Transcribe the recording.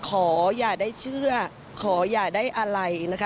ขออย่าได้เชื่อขออย่าได้อะไรนะคะ